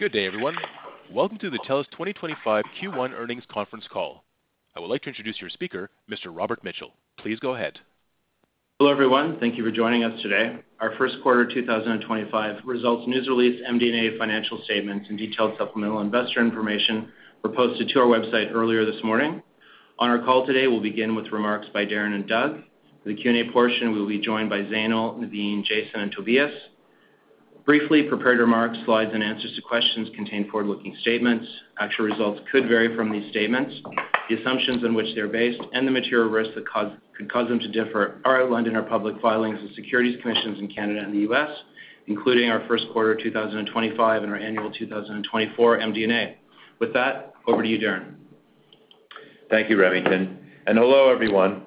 Good day, everyone. Welcome to the TELUS 2025 Q1 Earnings Conference Call. I would like to introduce your speaker, Mr. Robert Mitchell. Please go ahead. Hello, everyone. Thank you for joining us today. Our first quarter 2025 results news release, MD&A financial statements, and detailed supplemental investor information were posted to our website earlier this morning. On our call today, we'll begin with remarks by Darren and Doug. For the Q&A portion, we will be joined by Zainul, Navin, Jason, and Tobias. Briefly, prepared remarks, slides, and answers to questions contain forward-looking statements. Actual results could vary from these statements. The assumptions on which they are based and the material risks that could cause them to differ are outlined in our public filings with Securities Commission in Canada and the U.S., including our first quarter 2025 and our annual 2024 MD&A. With that, over to you, Darren. Thank you, Remington. Hello, everyone.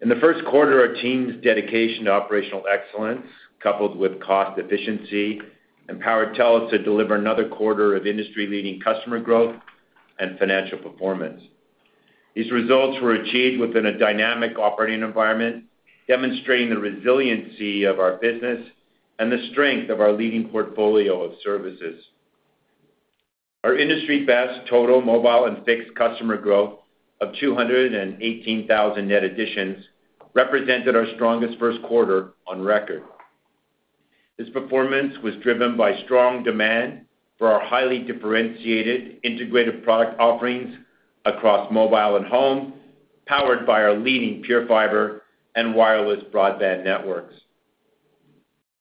In the first quarter, our team's dedication to operational excellence, coupled with cost efficiency, empowered TELUS to deliver another quarter of industry-leading customer growth and financial performance. These results were achieved within a dynamic operating environment, demonstrating the resiliency of our business and the strength of our leading portfolio of services. Our industry-best total, mobile, and fixed customer growth of 218,000 net additions represented our strongest first quarter on record. This performance was driven by strong demand for our highly differentiated integrated product offerings across mobile and home, powered by our leading pure fiber and wireless broadband networks.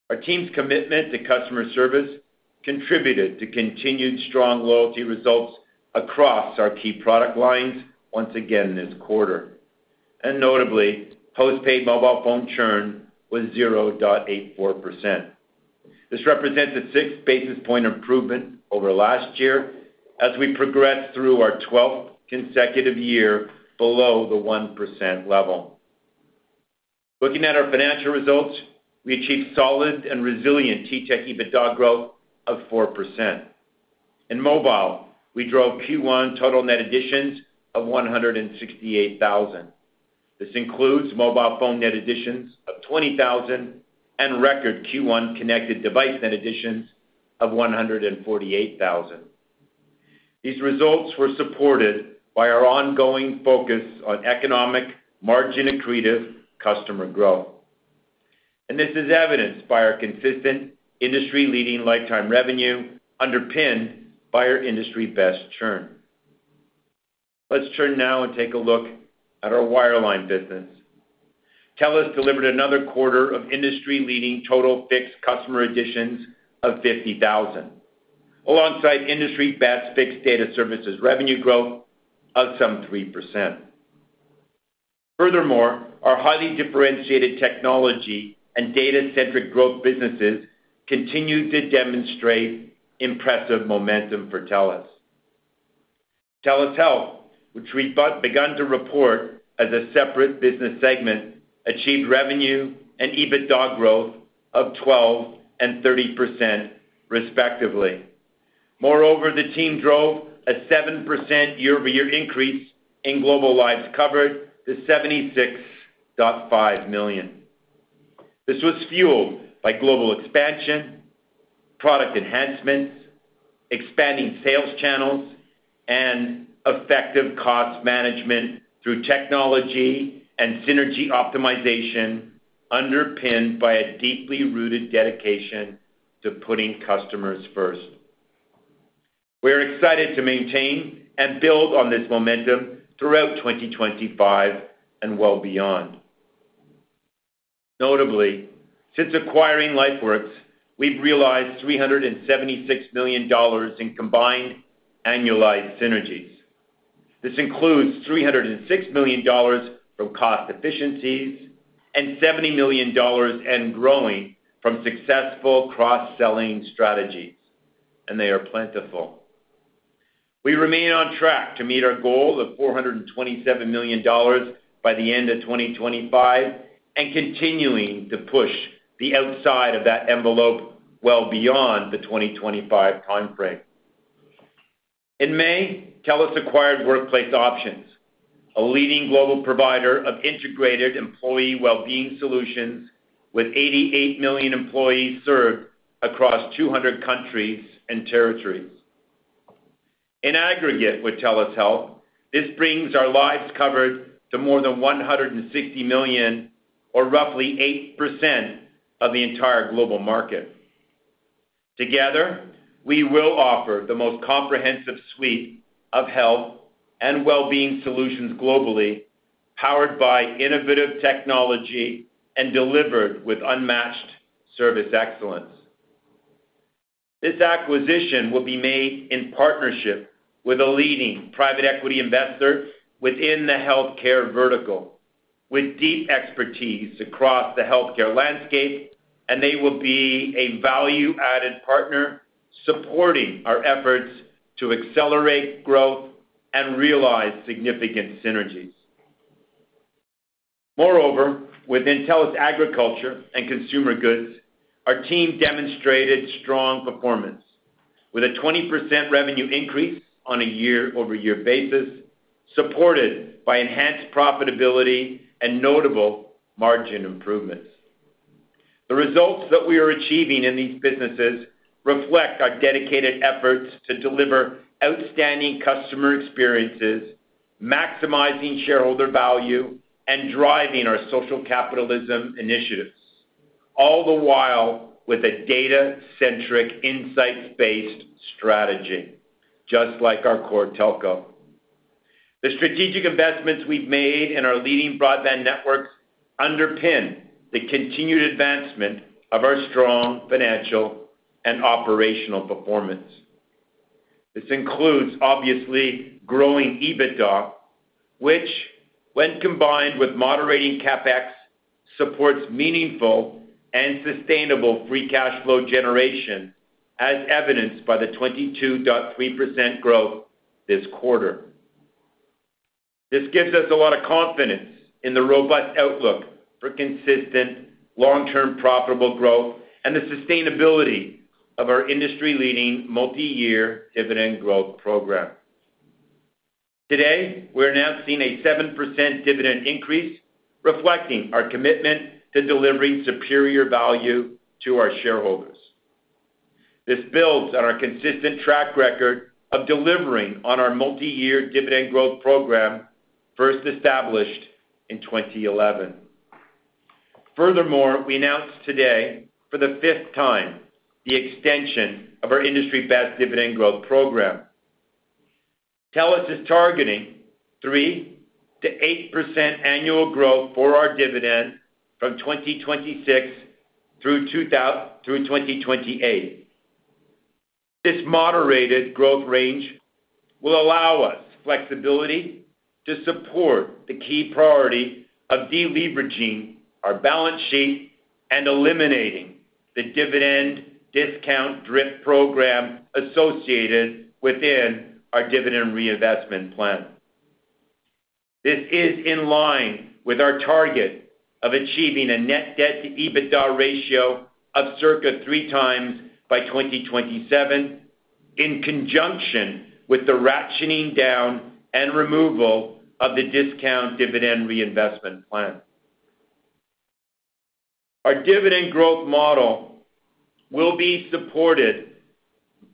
Our team's commitment to customer service contributed to continued strong loyalty results across our key product lines once again this quarter. Notably, postpaid mobile phone churn was 0.84%. This represents a six basis point improvement over last year as we progressed through our twelfth consecutive year below the 1% level. Looking at our financial results, we achieved solid and resilient TTEC EBITDA growth of 4%. In mobile, we drove Q1 total net additions of 168,000. This includes mobile phone net additions of 20,000 and record Q1 connected device net additions of 148,000. These results were supported by our ongoing focus on economic, margin-accretive customer growth. This is evidenced by our consistent industry-leading lifetime revenue underpinned by our industry-best churn. Let's turn now and take a look at our wireline business. TELUS delivered another quarter of industry-leading total fixed customer additions of 50,000, alongside industry-best fixed data services revenue growth of some 3%. Furthermore, our highly differentiated technology and data-centric growth businesses continued to demonstrate impressive momentum for TELUS. TELUS Health, which we've begun to report as a separate business segment, achieved revenue and EBITDA growth of 12% and 30%, respectively. Moreover, the team drove a 7% year-over-year increase in global lives covered to 76.5 million. This was fueled by global expansion, product enhancements, expanding sales channels, and effective cost management through technology and synergy optimization underpinned by a deeply rooted dedication to putting customers first. We are excited to maintain and build on this momentum throughout 2025 and well beyond. Notably, since acquiring LifeWorks, we've realized 376 million dollars in combined annualized synergies. This includes 306 million dollars from cost efficiencies and 70 million dollars and growing from successful cross-selling strategies, and they are plentiful. We remain on track to meet our goal of 427 million dollars by the end of 2025 and continuing to push the outside of that envelope well beyond the 2025 timeframe. In May, TELUS acquired Workplace Options, a leading global provider of integrated employee well-being solutions with 88 million employees served across 200 countries and territories. In aggregate with TELUS Health, this brings our lives covered to more than 160 million, or roughly 8% of the entire global market. Together, we will offer the most comprehensive suite of health and well-being solutions globally, powered by innovative technology and delivered with unmatched service excellence. This acquisition will be made in partnership with a leading private equity investor within the healthcare vertical, with deep expertise across the healthcare landscape, and they will be a value-added partner supporting our efforts to accelerate growth and realize significant synergies. Moreover, within TELUS Agriculture & Consumer Goods, our team demonstrated strong performance with a 20% revenue increase on a year-over-year basis, supported by enhanced profitability and notable margin improvements. The results that we are achieving in these businesses reflect our dedicated efforts to deliver outstanding customer experiences, maximizing shareholder value, and driving our social capitalism initiatives, all the while with a data-centric insights-based strategy, just like our core telco. The strategic investments we have made in our leading broadband networks underpin the continued advancement of our strong financial and operational performance. This includes, obviously, growing EBITDA, which, when combined with moderating CapEx, supports meaningful and sustainable free cash flow generation, as evidenced by the 22.3% growth this quarter. This gives us a lot of confidence in the robust outlook for consistent long-term profitable growth and the sustainability of our industry-leading multi-year dividend growth program. Today, we are announcing a 7% dividend increase, reflecting our commitment to delivering superior value to our shareholders. This builds on our consistent track record of delivering on our multi-year dividend growth program, first established in 2011. Furthermore, we announced today, for the fifth time, the extension of our industry-best dividend growth program. TELUS is targeting 3%-8% annual growth for our dividend from 2026 through 2028. This moderated growth range will allow us flexibility to support the key priority of deleveraging our balance sheet and eliminating the dividend discount drift program associated within our dividend reinvestment plan. This is in line with our target of achieving a net debt-to-EBITDA ratio of circa three times by 2027, in conjunction with the ratcheting down and removal of the discount dividend reinvestment plan. Our dividend growth model will be supported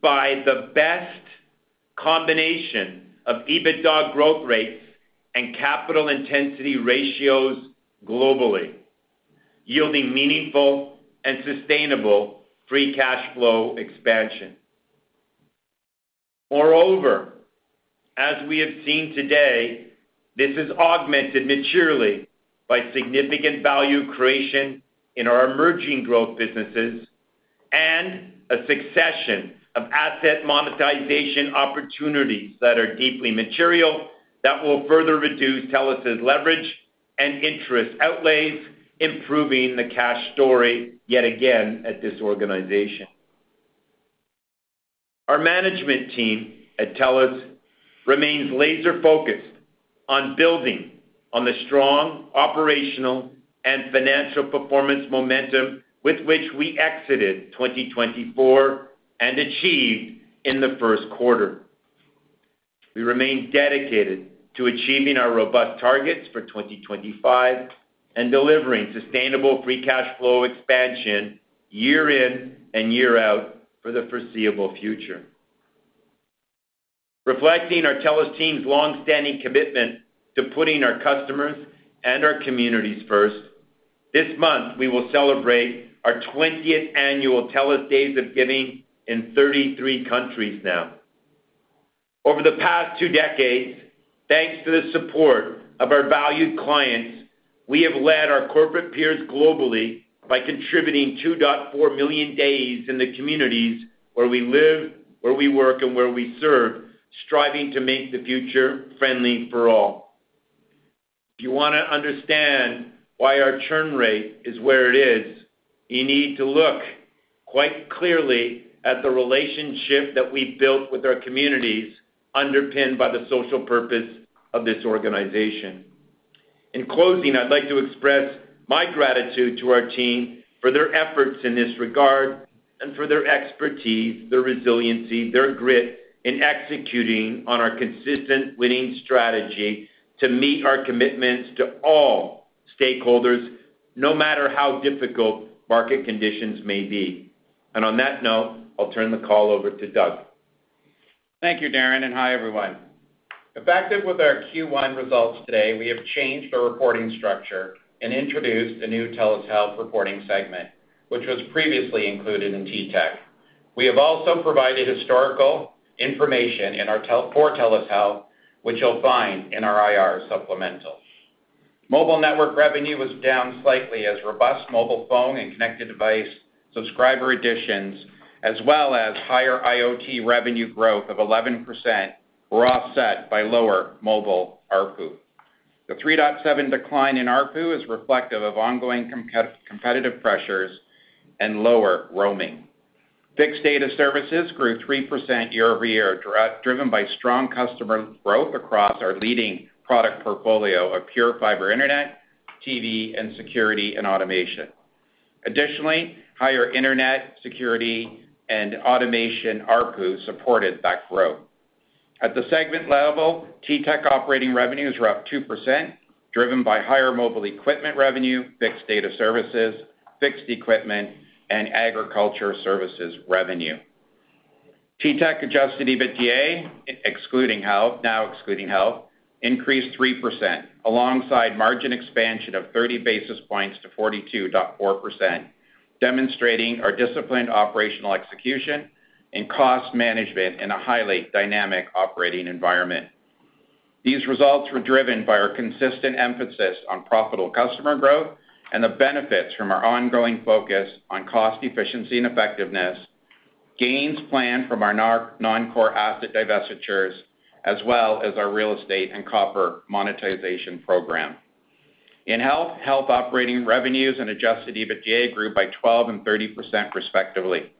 by the best combination of EBITDA growth rates and capital intensity ratios globally, yielding meaningful and sustainable free cash flow expansion. Moreover, as we have seen today, this is augmented materially by significant value creation in our emerging growth businesses and a succession of asset monetization opportunities that are deeply material that will further reduce TELUS's leverage and interest outlays, improving the cash story yet again at this organization. Our management team at TELUS remains laser-focused on building on the strong operational and financial performance momentum with which we exited 2024 and achieved in the first quarter. We remain dedicated to achieving our robust targets for 2025 and delivering sustainable free cash flow expansion year in and year out for the foreseeable future. Reflecting our TELUS team's longstanding commitment to putting our customers and our communities first, this month we will celebrate our 20th annual TELUS Days of Giving in 33 countries now. Over the past two decades, thanks to the support of our valued clients, we have led our corporate peers globally by contributing 2.4 million days in the communities where we live, where we work, and where we serve, striving to make the future friendly for all. If you want to understand why our churn rate is where it is, you need to look quite clearly at the relationship that we've built with our communities, underpinned by the social purpose of this organization. In closing, I'd like to express my gratitude to our team for their efforts in this regard and for their expertise, their resiliency, their grit in executing on our consistent winning strategy to meet our commitments to all stakeholders, no matter how difficult market conditions may be. On that note, I'll turn the call over to Doug. Thank you, Darren, and hi, everyone. Effective with our Q1 results today, we have changed our reporting structure and introduced a new TELUS Health reporting segment, which was previously included in TTEC. We have also provided historical information in our core TELUS Health, which you'll find in our IR supplemental. Mobile network revenue was down slightly as robust mobile phone and connected device subscriber additions, as well as higher IoT revenue growth of 11%, were offset by lower mobile RPU. The 3.7% decline in RPU is reflective of ongoing competitive pressures and lower roaming. Fixed data services grew 3% year-over-year, driven by strong customer growth across our leading product portfolio of pure fiber internet, TV, and security and automation. Additionally, higher internet, security, and automation RPU supported that growth. At the segment level, TELUS operating revenues were up 2%, driven by higher mobile equipment revenue, fixed data services, fixed equipment, and agriculture services revenue. TELUS adjusted EBITDA, now excluding health, increased 3%, alongside margin expansion of 30 basis points to 42.4%, demonstrating our disciplined operational execution and cost management in a highly dynamic operating environment. These results were driven by our consistent emphasis on profitable customer growth and the benefits from our ongoing focus on cost efficiency and effectiveness, gains planned from our non-core asset divestitures, as well as our real estate and copper monetization program. In health, health operating revenues and adjusted EBITDA grew by 12% and 30%, respectively.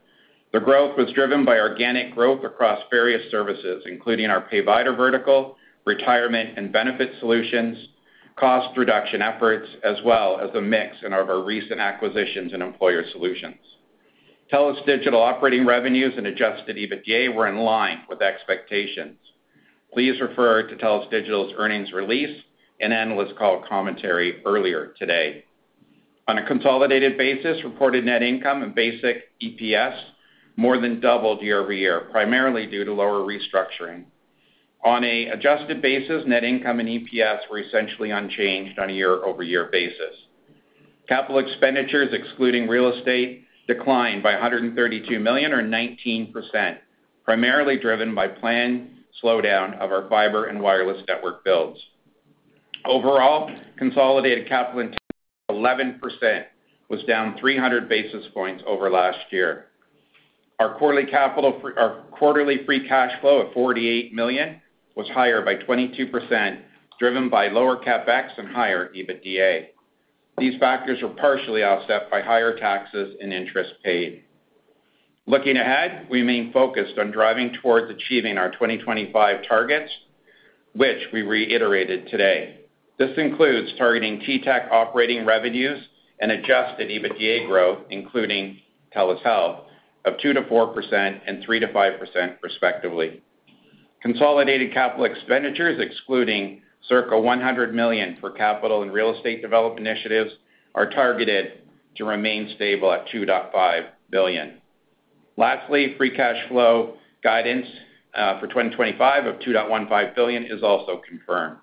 The growth was driven by organic growth across various services, including our provider vertical, retirement and benefit solutions, cost reduction efforts, as well as a mix in our recent acquisitions and employer solutions. TELUS Digital operating revenues and adjusted EBITDA were in line with expectations. Please refer to TELUS Digital's earnings release and analyst call commentary earlier today. On a consolidated basis, reported net income and basic EPS more than doubled year-over-year, primarily due to lower restructuring. On an adjusted basis, net income and EPS were essentially unchanged on a year-over-year basis. Capital expenditures, excluding real estate, declined by 132 million, or 19%, primarily driven by planned slowdown of our fiber and wireless network builds. Overall, consolidated capital improvement of 11% was down 300 basis points over last year. Our quarterly free cash flow of 48 million was higher by 22%, driven by lower CapEx and higher EBITDA. These factors were partially offset by higher taxes and interest paid. Looking ahead, we remain focused on driving towards achieving our 2025 targets, which we reiterated today. This includes targeting TTEC operating revenues and adjusted EBITDA growth, including TELUS Health, of 2%-4% and 3%-5%, respectively. Consolidated capital expenditures, excluding circa 100 million for capital and real estate development initiatives, are targeted to remain stable at 2.5 billion. Lastly, free cash flow guidance for 2025 of 2.15 billion is also confirmed.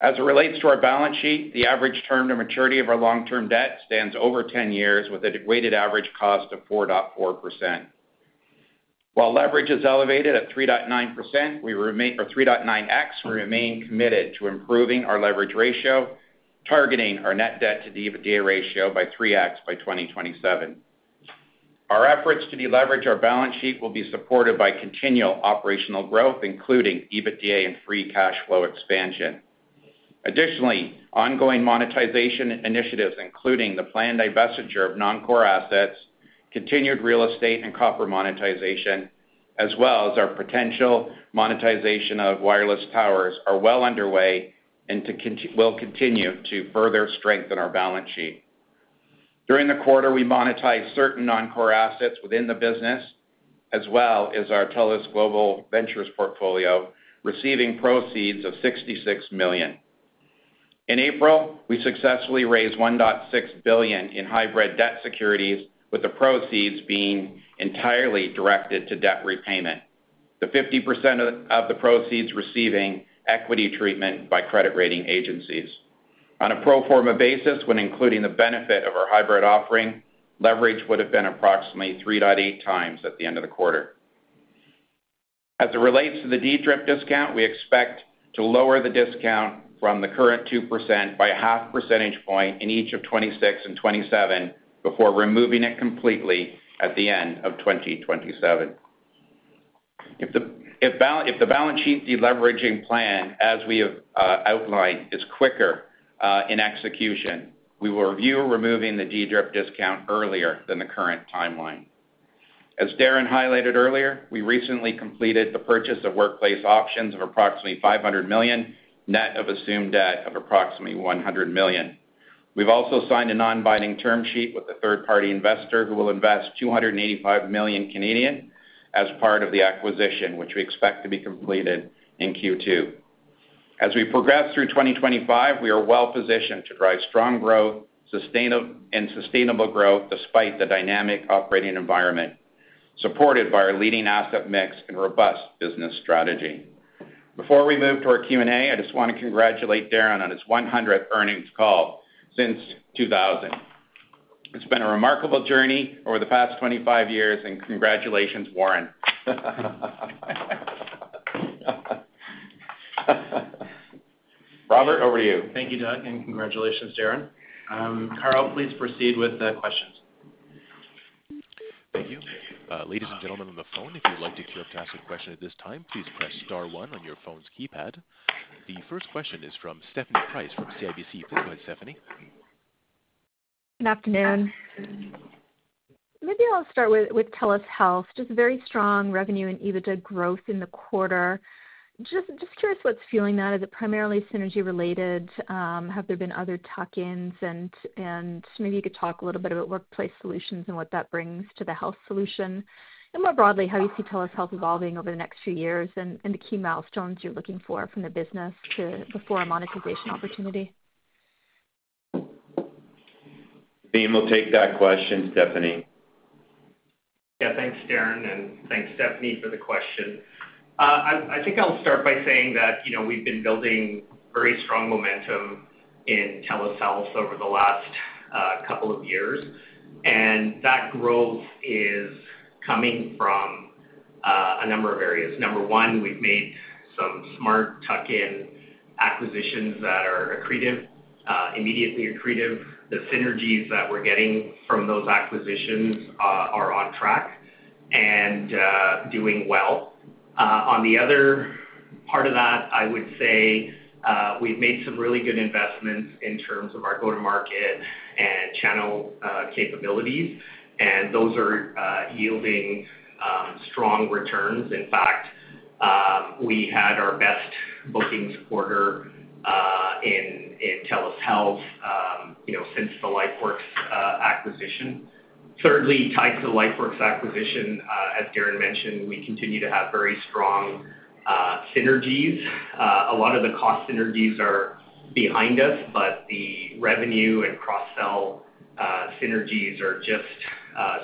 As it relates to our balance sheet, the average term to maturity of our long-term debt stands over 10 years, with a weighted average cost of 4.4%. While leverage is elevated at 3.9x, we remain committed to improving our leverage ratio, targeting our net debt-to-EBITDA ratio by 3x by 2027. Our efforts to deleverage our balance sheet will be supported by continual operational growth, including EBITDA and free cash flow expansion. Additionally, ongoing monetization initiatives, including the planned divestiture of non-core assets, continued real estate and copper monetization, as well as our potential monetization of wireless towers, are well underway and will continue to further strengthen our balance sheet. During the quarter, we monetized certain non-core assets within the business, as well as our TELUS Global Ventures portfolio, receiving proceeds of 66 million. In April, we successfully raised 1.6 billion in hybrid debt securities, with the proceeds being entirely directed to debt repayment, the 50% of the proceeds receiving equity treatment by credit rating agencies. On a pro forma basis, when including the benefit of our hybrid offering, leverage would have been approximately 3.8 times at the end of the quarter. As it relates to the de-drift discount, we expect to lower the discount from the current 2% by a half percentage point in each of 2026 and 2027 before removing it completely at the end of 2027. If the balance sheet deleveraging plan, as we have outlined, is quicker in execution, we will review removing the de-drift discount earlier than the current timeline. As Darren highlighted earlier, we recently completed the purchase of Workplace Options of approximately 500 million, net of assumed debt of approximately 100 million. We've also signed a non-binding term sheet with a third-party investor who will invest 285 million Canadian dollars as part of the acquisition, which we expect to be completed in Q2. As we progress through 2025, we are well-positioned to drive strong growth and sustainable growth despite the dynamic operating environment, supported by our leading asset mix and robust business strategy. Before we move to our Q&A, I just want to congratulate Darren on his 100th earnings call since 2000. It's been a remarkable journey over the past 25 years, and congratulations, Darren. Robert, over to you. Thank you, Doug, and congratulations, Darren. Karl, please proceed with the questions. Thank you. Ladies and gentlemen on the phone, if you'd like to hear a passing question at this time, please press star one on your phone's keypad. The first question is from Stephanie Price from CIBC. Please go ahead, Stephanie. Good afternoon. Maybe I'll start with TELUS Health, just very strong revenue and EBITDA growth in the quarter. Just curious what's fueling that. Is it primarily synergy-related? Have there been other tuck-ins? Maybe you could talk a little bit about workplace solutions and what that brings to the health solution. More broadly, how do you see TELUS Health evolving over the next few years and the key milestones you're looking for from the business before a monetization opportunity? Vince will take that question, Stephanie. Yeah, thanks, Darren, and thanks, Stephanie, for the question. I think I'll start by saying that we've been building very strong momentum in TELUS Health over the last couple of years. That growth is coming from a number of areas. Number one, we've made some smart tuck-in acquisitions that are accretive, immediately accretive. The synergies that we're getting from those acquisitions are on track and doing well. On the other part of that, I would say we've made some really good investments in terms of our go-to-market and channel capabilities, and those are yielding strong returns. In fact, we had our best bookings quarter in TELUS Health since the LifeWorks acquisition. Thirdly, tied to the LifeWorks acquisition, as Darren mentioned, we continue to have very strong synergies. A lot of the cost synergies are behind us, but the revenue and cross-sell synergies are just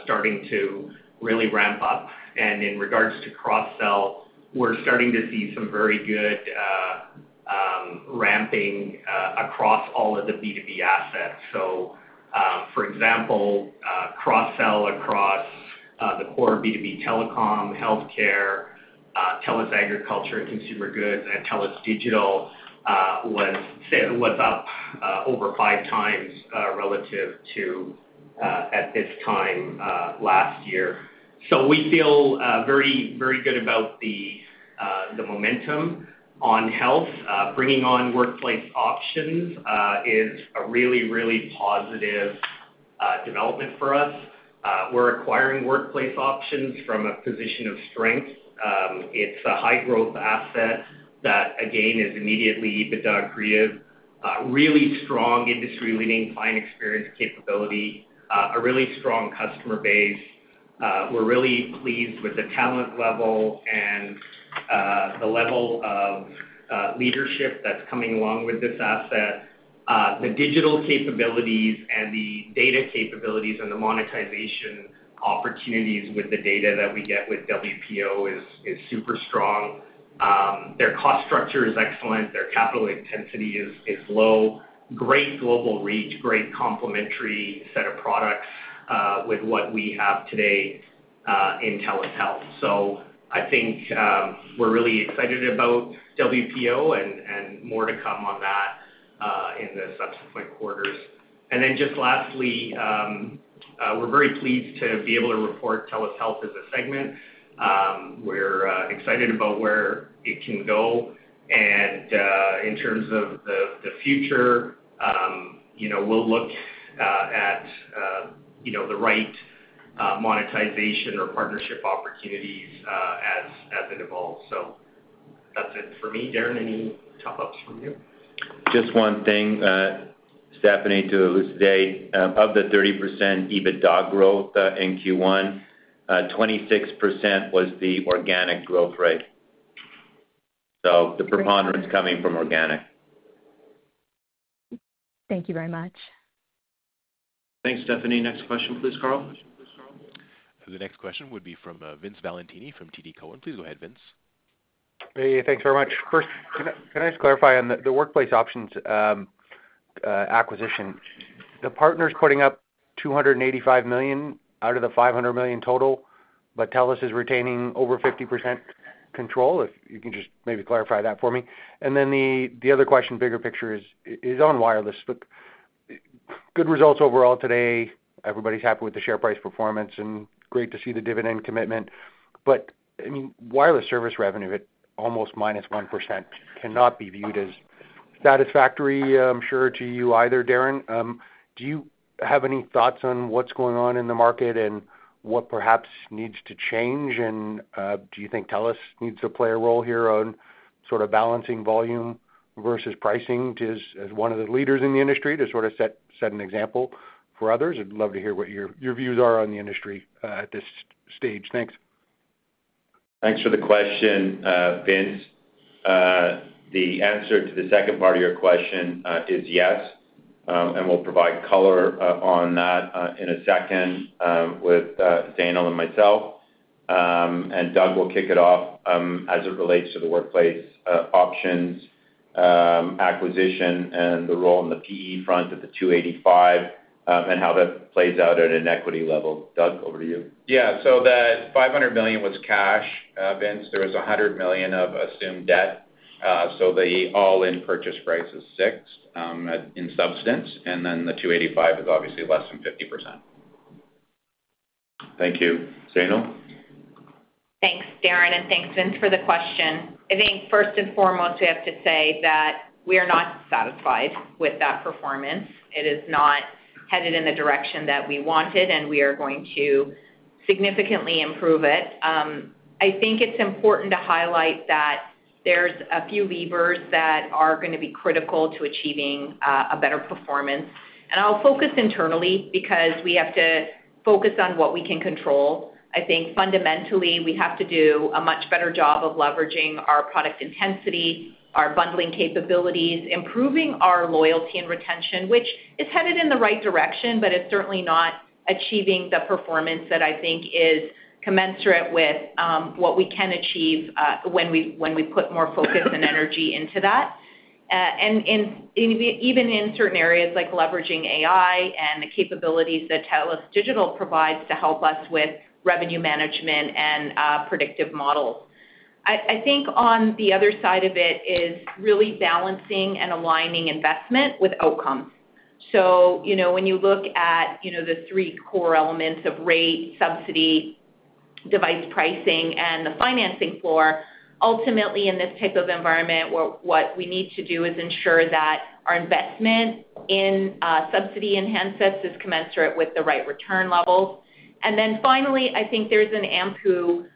starting to really ramp up. In regards to cross-sell, we're starting to see some very good ramping across all of the B2B assets. For example, cross-sell across the core B2B telecom, healthcare, TELUS Agriculture & Consumer Goods, and TELUS Digital was up over five times relative to at this time last year. We feel very, very good about the momentum on health. Bringing on Workplace Options is a really, really positive development for us. We're acquiring Workplace Options from a position of strength. It's a high-growth asset that, again, is immediately EBITDA accretive, really strong industry-leading client experience capability, a really strong customer base. We're really pleased with the talent level and the level of leadership that's coming along with this asset. The digital capabilities and the data capabilities and the monetization opportunities with the data that we get with WPO is super strong. Their cost structure is excellent. Their capital intensity is low. Great global reach, great complementary set of products with what we have today in TELUS Health. I think we're really excited about WPO and more to come on that in the subsequent quarters. Lastly, we're very pleased to be able to report TELUS Health as a segment. We're excited about where it can go. In terms of the future, we'll look at the right monetization or partnership opportunities as it evolves. That's it for me. Darren, any top-ups from you? Just one thing, Stephanie, to elucidate. Of the 30% EBITDA growth in Q1, 26% was the organic growth rate. So the preponderance coming from organic. Thank you very much. Thanks, Stephanie. Next question, please, Karl. The next question would be from Vince Valentini from TD Cowen. Please go ahead, Vince. Hey, thanks very much. First, can I just clarify on the Workplace Options acquisition? The partner's putting up 285 million out of the 500 million total, but TELUS is retaining over 50% control. If you can just maybe clarify that for me. The other question, bigger picture, is on wireless. Good results overall today. Everybody's happy with the share price performance and great to see the dividend commitment. Wireless service revenue at almost -1% cannot be viewed as satisfactory, I'm sure, to you either, Darren. Do you have any thoughts on what's going on in the market and what perhaps needs to change? Do you think TELUS needs to play a role here on sort of balancing volume versus pricing as one of the leaders in the industry to sort of set an example for others? I'd love to hear what your views are on the industry at this stage. Thanks. Thanks for the question, Vince. The answer to the second part of your question is yes. We will provide color on that in a second with Zainul and myself. Doug will kick it off as it relates to the Workplace Options acquisition and the role in the PE front at the 285 million and how that plays out at an equity level. Doug, over to you. Yeah, so that 500 million was cash, Vince. There was 100 million of assumed debt. The all-in purchase price is 600 million in substance. The 285 million is obviously less than 50%. Thank you. Zainul? Thanks, Darren, and thanks, Vince, for the question. I think first and foremost, we have to say that we are not satisfied with that performance. It is not headed in the direction that we wanted, and we are going to significantly improve it. I think it's important to highlight that there's a few levers that are going to be critical to achieving a better performance. I will focus internally because we have to focus on what we can control. I think fundamentally, we have to do a much better job of leveraging our product intensity, our bundling capabilities, improving our loyalty and retention, which is headed in the right direction, but it's certainly not achieving the performance that I think is commensurate with what we can achieve when we put more focus and energy into that. Even in certain areas like leveraging AI and the capabilities that TELUS Digital provides to help us with revenue management and predictive models. I think on the other side of it is really balancing and aligning investment with outcomes. When you look at the three core elements of rate, subsidy, device pricing, and the financing floor, ultimately, in this type of environment, what we need to do is ensure that our investment in subsidy enhancements is commensurate with the right return levels. Finally, I think there is an AMPU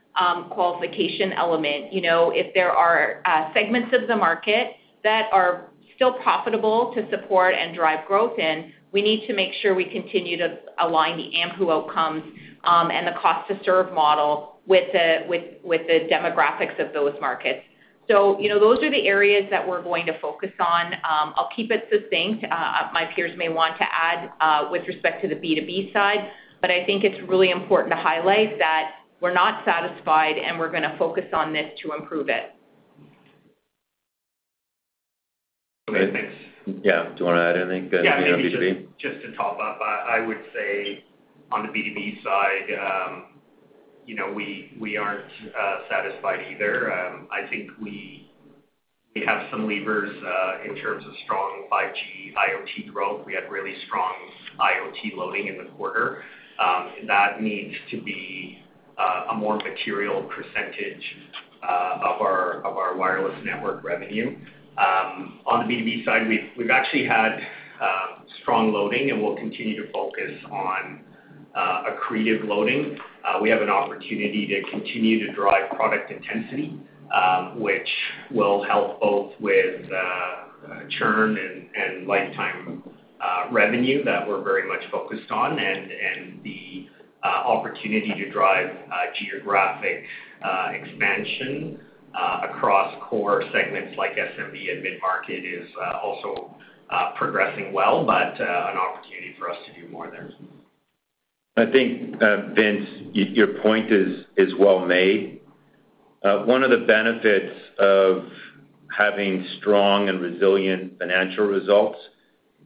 qualification element. If there are segments of the market that are still profitable to support and drive growth in, we need to make sure we continue to align the AMPU outcomes and the cost-to-serve model with the demographics of those markets. Those are the areas that we are going to focus on. I will keep it succinct. My peers may want to add with respect to the B2B side, but I think it's really important to highlight that we're not satisfied and we're going to focus on this to improve it. Okay. Thanks. Yeah. Do you want to add anything? Yeah, just to top up, I would say on the B2B side, we aren't satisfied either. I think we have some levers in terms of strong 5G IoT growth. We had really strong IoT loading in the quarter. That needs to be a more material percentage of our wireless network revenue. On the B2B side, we've actually had strong loading, and we'll continue to focus on accretive loading. We have an opportunity to continue to drive product intensity, which will help both with churn and lifetime revenue that we're very much focused on. The opportunity to drive geographic expansion across core segments like SMB and mid-market is also progressing well, but an opportunity for us to do more there. I think, Vince, your point is well-made. One of the benefits of having strong and resilient financial results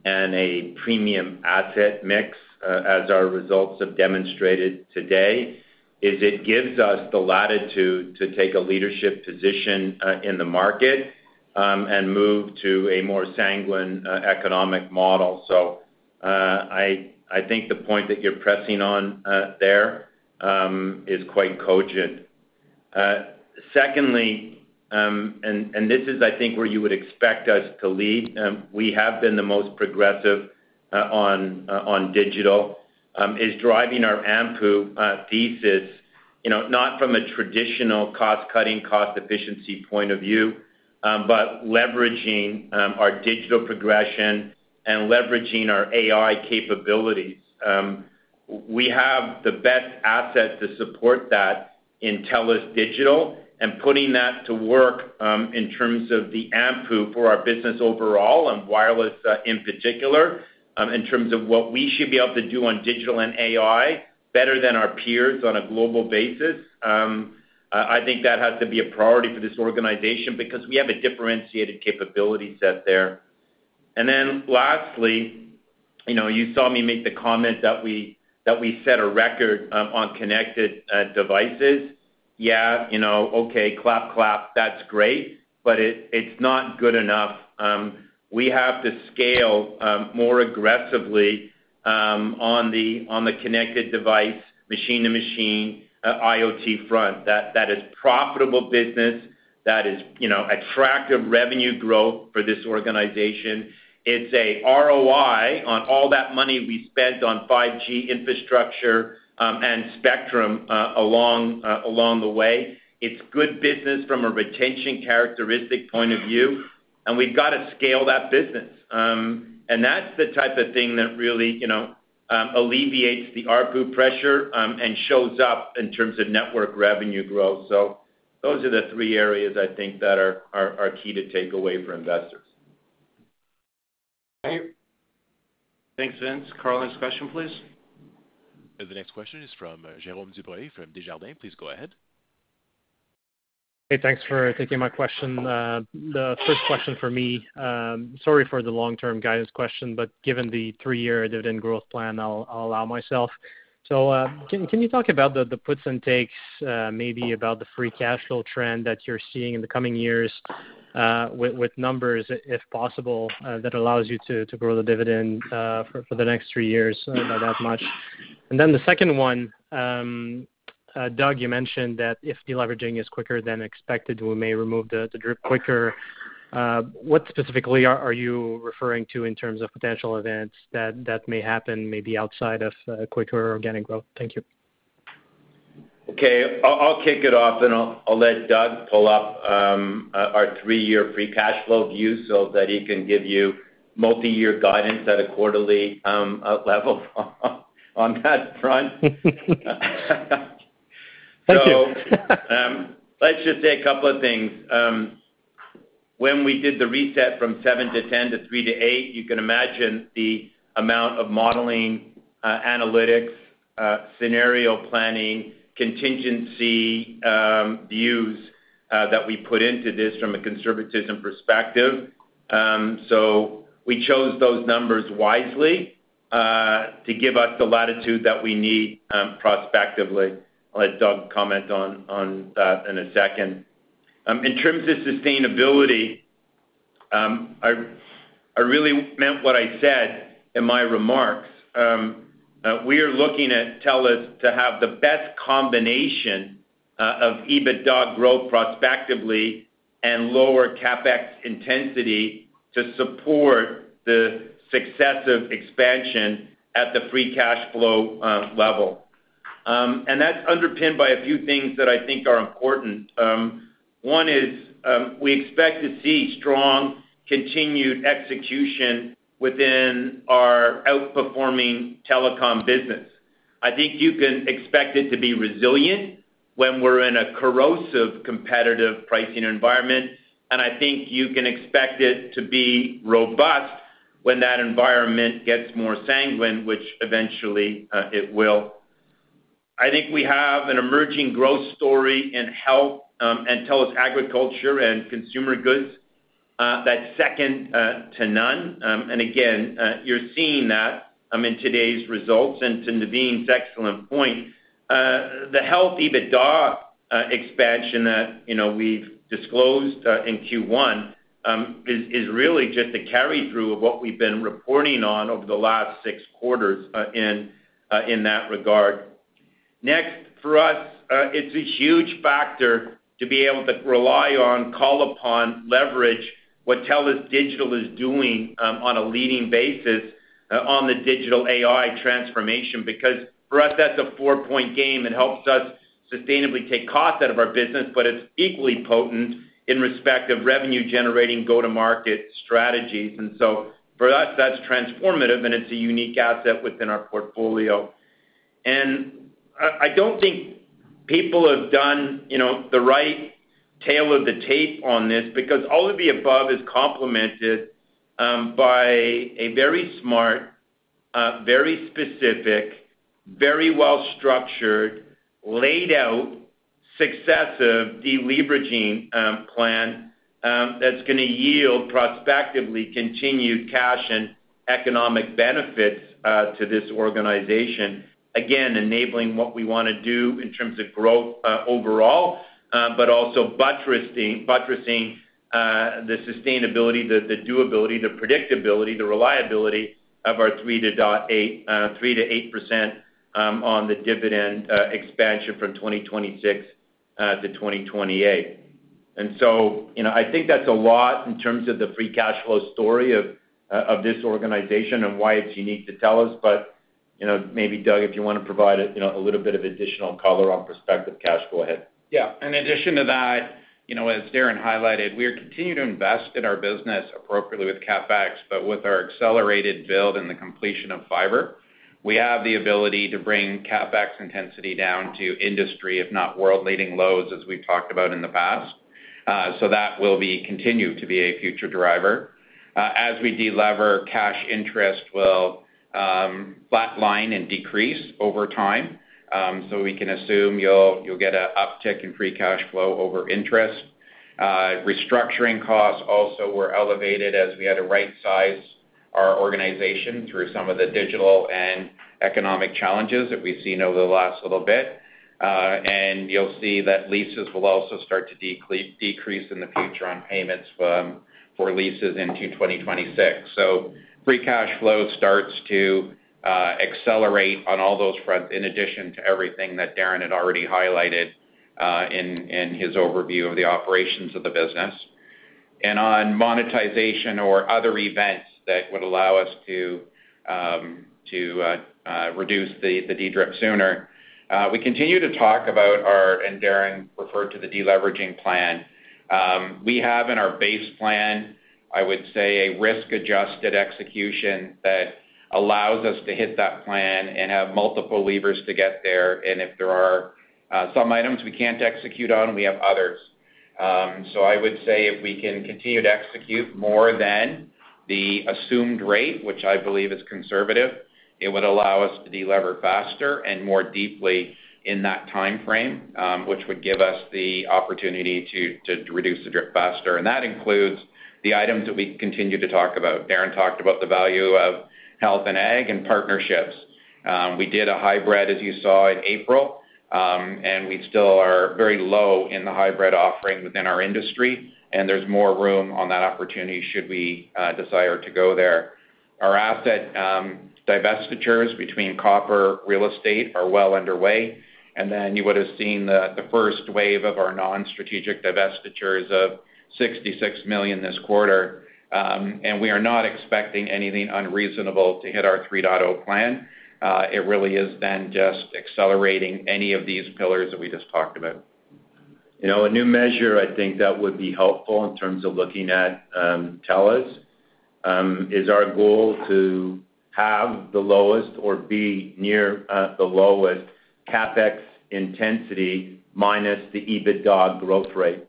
and a premium asset mix, as our results have demonstrated today, is it gives us the latitude to take a leadership position in the market and move to a more sanguine economic model. I think the point that you're pressing on there is quite cogent. Secondly, and this is, I think, where you would expect us to lead. We have been the most progressive on digital, is driving our AMPU thesis, not from a traditional cost-cutting, cost-efficiency point of view, but leveraging our digital progression and leveraging our AI capabilities. We have the best asset to support that in TELUS Digital and putting that to work in terms of the AMPU for our business overall and wireless in particular, in terms of what we should be able to do on digital and AI better than our peers on a global basis. I think that has to be a priority for this organization because we have a differentiated capability set there. Lastly, you saw me make the comment that we set a record on connected devices. Yeah, okay, clap, clap, that's great, but it's not good enough. We have to scale more aggressively on the connected device, machine-to-machine IoT front. That is profitable business. That is attractive revenue growth for this organization. It's an ROI on all that money we spent on 5G infrastructure and spectrum along the way. It's good business from a retention characteristic point of view. We have got to scale that business. That is the type of thing that really alleviates the ARPU pressure and shows up in terms of network revenue growth. Those are the three areas, I think, that are key to take away for investors. Thanks, Vince. Karl, next question, please. The next question is from Jérôme Dubreuil from Desjardins. Please go ahead. Hey, thanks for taking my question. The first question for me, sorry for the long-term guidance question, but given the three-year dividend growth plan, I'll allow myself. Can you talk about the puts and takes, maybe about the free cash flow trend that you're seeing in the coming years with numbers, if possible, that allows you to grow the dividend for the next three years by that much? The second one, Doug, you mentioned that if deleveraging is quicker than expected, we may remove the DRIP quicker. What specifically are you referring to in terms of potential events that may happen maybe outside of quicker organic growth? Thank you. Okay. I'll kick it off, and I'll let Doug pull up our three-year free cash flow view so that he can give you multi-year guidance at a quarterly level on that front. Thank you. Let's just say a couple of things. When we did the reset from 7 to 10 to 3 to 8, you can imagine the amount of modeling, analytics, scenario planning, contingency views that we put into this from a conservatism perspective. We chose those numbers wisely to give us the latitude that we need prospectively. I'll let Doug comment on that in a second. In terms of sustainability, I really meant what I said in my remarks. We are looking at TELUS to have the best combination of EBITDA growth prospectively and lower CapEx intensity to support the successive expansion at the free cash flow level. That's underpinned by a few things that I think are important. One is we expect to see strong continued execution within our outperforming telecom business. I think you can expect it to be resilient when we're in a corrosive competitive pricing environment. I think you can expect it to be robust when that environment gets more sanguine, which eventually it will. I think we have an emerging growth story in health and TELUS Agriculture & Consumer Goods that's second to none. You are seeing that in today's results. To Navin's excellent point, the health EBITDA expansion that we've disclosed in Q1 is really just a carry-through of what we've been reporting on over the last six quarters in that regard. Next, for us, it's a huge factor to be able to rely on, call upon, leverage what TELUS Digital is doing on a leading basis on the digital AI transformation because for us, that's a four-point game. It helps us sustainably take costs out of our business, but it's equally potent in respect of revenue-generating go-to-market strategies. For us, that's transformative, and it's a unique asset within our portfolio. I don't think people have done the right tale of the tape on this because all of the above is complemented by a very smart, very specific, very well-structured, laid-out successive deleveraging plan that's going to yield prospectively continued cash and economic benefits to this organization. Again, enabling what we want to do in terms of growth overall, but also buttressing the sustainability, the doability, the predictability, the reliability of our 3-8% on the dividend expansion from 2026 to 2028. I think that's a lot in terms of the free cash flow story of this organization and why it's unique to TELUS. Maybe, Doug, if you want to provide a little bit of additional color on prospective cash, go ahead. Yeah. In addition to that, as Darren highlighted, we are continuing to invest in our business appropriately with CapEx, but with our accelerated build and the completion of fiber, we have the ability to bring CapEx intensity down to industry, if not world-leading lows, as we've talked about in the past. That will continue to be a future driver. As we delever, cash interest will flatline and decrease over time. We can assume you'll get an uptick in free cash flow over interest. Restructuring costs also were elevated as we had to right-size our organization through some of the digital and economic challenges that we've seen over the last little bit. You'll see that leases will also start to decrease in the future on payments for leases into 2026. Free cash flow starts to accelerate on all those fronts in addition to everything that Darren had already highlighted in his overview of the operations of the business. On monetization or other events that would allow us to reduce the DRIP sooner, we continue to talk about our, and Darren referred to, the deleveraging plan. We have in our base plan, I would say, a risk-adjusted execution that allows us to hit that plan and have multiple levers to get there. If there are some items we can't execute on, we have others. I would say if we can continue to execute more than the assumed rate, which I believe is conservative, it would allow us to delever faster and more deeply in that timeframe, which would give us the opportunity to reduce the DRIP faster. That includes the items that we continue to talk about. Darren talked about the value of health and ag and partnerships. We did a hybrid, as you saw, in April, and we still are very low in the hybrid offering within our industry, and there is more room on that opportunity should we desire to go there. Our asset divestitures between copper real estate are well underway. You would have seen the first wave of our non-strategic divestitures of 66 million this quarter. We are not expecting anything unreasonable to hit our 3.0 plan. It really is just accelerating any of these pillars that we just talked about. A new measure, I think, that would be helpful in terms of looking at TELUS is our goal to have the lowest or be near the lowest CapEx intensity minus the EBITDA growth rate.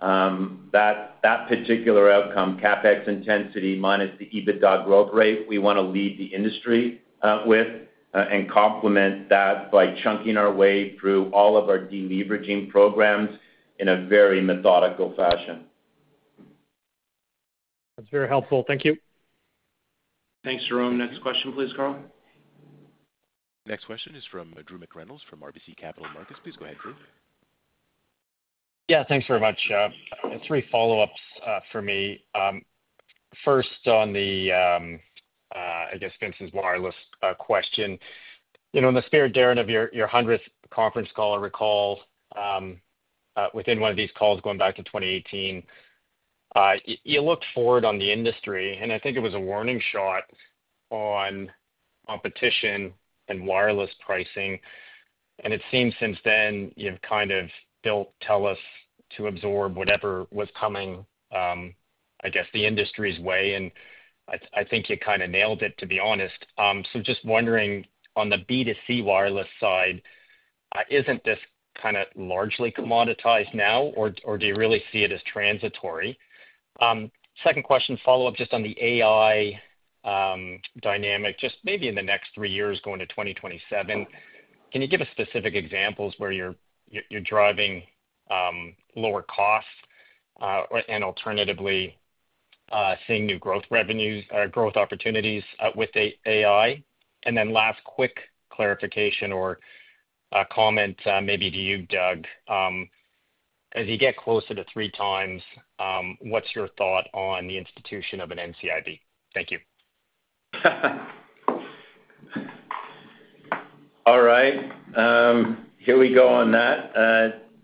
That particular outcome, CapEx intensity minus the EBITDA growth rate, we want to lead the industry with and complement that by chunking our way through all of our deleveraging programs in a very methodical fashion. That's very helpful. Thank you. Thanks, Jérôme. Next question, please, Carl. Next question is from Drew McReynolds from RBC Capital Markets. Please go ahead, Drew. Yeah, thanks very much. Three follow-ups for me. First, on the, I guess, Vince's wireless question. In the spirit, Darren, of your 100th conference call, I recall within one of these calls going back to 2018, you looked forward on the industry, and I think it was a warning shot on competition and wireless pricing. It seems since then you've kind of built TELUS to absorb whatever was coming, I guess, the industry's way. I think you kind of nailed it, to be honest. Just wondering, on the B2C wireless side, isn't this kind of largely commoditized now, or do you really see it as transitory? Second question, follow-up just on the AI dynamic, just maybe in the next three years going to 2027. Can you give us specific examples where you're driving lower costs and alternatively seeing new growth opportunities with AI? Last quick clarification or comment, maybe to you, Doug, as you get closer to three times, what's your thought on the institution of an NCIB? Thank you. All right. Here we go on that.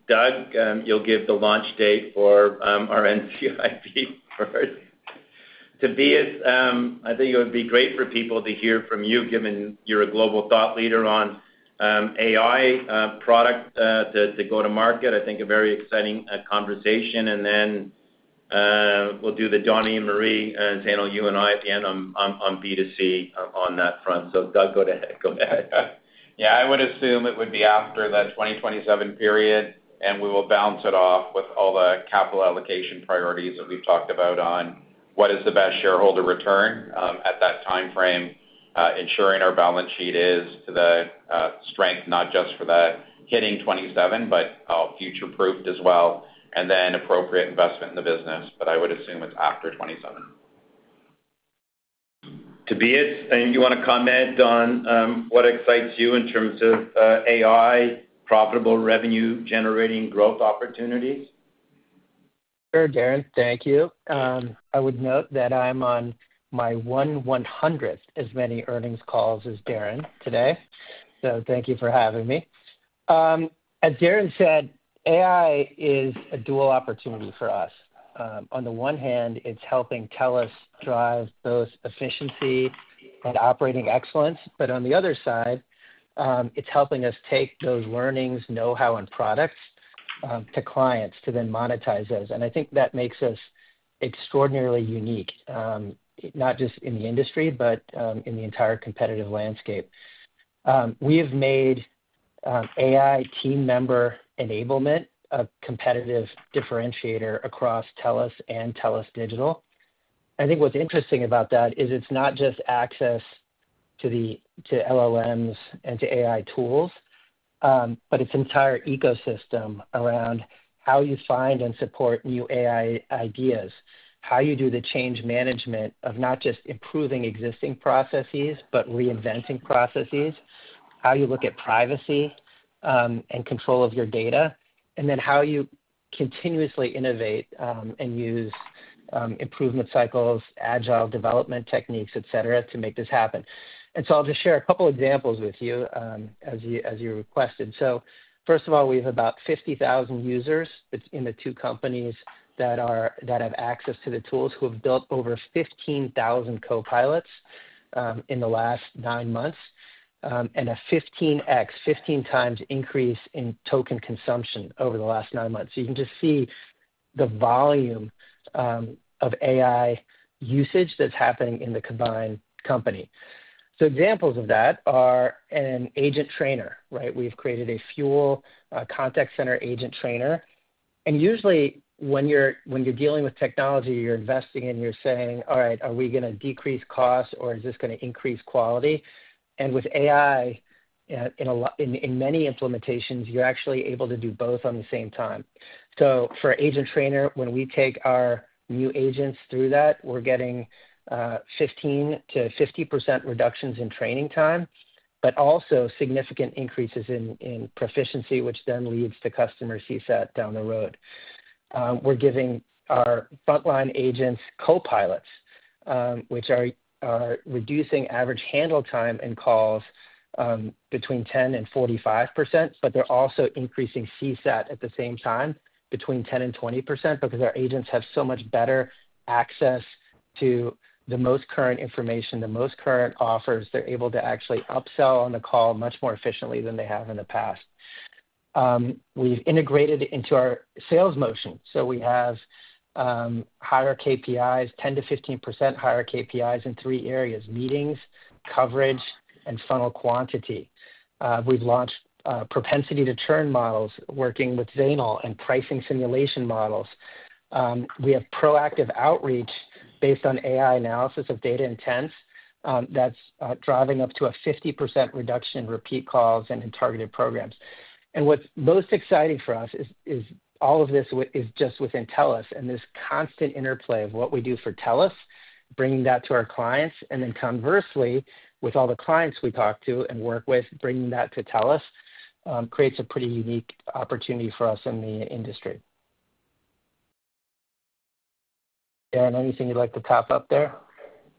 Doug, you'll give the launch date for our NCIB first. To be it, I think it would be great for people to hear from you, given you're a global thought leader on AI product to go to market. I think a very exciting conversation. Then we'll do the Donny and Marie, Zainul, you and I at the end on B2C on that front. So Doug, go ahead. Yeah, I would assume it would be after that 2027 period, and we will balance it off with all the capital allocation priorities that we've talked about on what is the best shareholder return at that timeframe, ensuring our balance sheet is to the strength, not just for that hitting 2027, but future-proofed as well, and then appropriate investment in the business. I would assume it's after 2027. To be it, and you want to comment on what excites you in terms of AI, profitable revenue-generating growth opportunities? Sure, Darren. Thank you. I would note that I'm on my 1/100th as many earnings calls as Darren today. Thank you for having me. As Darren said, AI is a dual opportunity for us. On the one hand, it's helping TELUS drive both efficiency and operating excellence. On the other side, it's helping us take those learnings, know-how, and products to clients to then monetize those. I think that makes us extraordinarily unique, not just in the industry, but in the entire competitive landscape. We have made AI team member enablement a competitive differentiator across TELUS and TELUS Digital. I think what's interesting about that is it's not just access to LLMs and to AI tools, but its entire ecosystem around how you find and support new AI ideas, how you do the change management of not just improving existing processes, but reinventing processes, how you look at privacy and control of your data, and then how you continuously innovate and use improvement cycles, agile development techniques, etc., to make this happen. I'll just share a couple of examples with you as you requested. First of all, we have about 50,000 users in the two companies that have access to the tools who have built over 15,000 copilots in the last nine months and a 15x, 15 times increase in token consumption over the last nine months. You can just see the volume of AI usage that's happening in the combined company. Examples of that are an agent trainer, right? We have created a fuel contact center agent trainer. Usually, when you are dealing with technology, you are investing and you are saying, "All right, are we going to decrease costs or is this going to increase quality?" With AI, in many implementations, you are actually able to do both at the same time. For agent trainer, when we take our new agents through that, we are getting 15-50% reductions in training time, but also significant increases in proficiency, which then leads to customer CSAT down the road. We are giving our frontline agents copilots, which are reducing average handle time in calls between 10-45%, but they are also increasing CSAT at the same time between 10-20% because our agents have so much better access to the most current information, the most current offers. They're able to actually upsell on the call much more efficiently than they have in the past. We've integrated into our sales motion. We have higher KPIs, 10%-15% higher KPIs in three areas: meetings, coverage, and funnel quantity. We've launched propensity to churn models working with Zainul and pricing simulation models. We have proactive outreach based on AI analysis of data intents. That's driving up to a 50% reduction in repeat calls and in targeted programs. What's most exciting for us is all of this is just within TELUS and this constant interplay of what we do for TELUS, bringing that to our clients. Conversely, with all the clients we talk to and work with, bringing that to TELUS creates a pretty unique opportunity for us in the industry. Darren, anything you'd like to top up there?